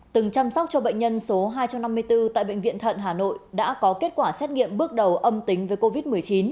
từng chăm sóc cho bệnh nhân số hai trăm năm mươi bốn tại bệnh viện thận hà nội đã có kết quả xét nghiệm bước đầu âm tính với covid một mươi chín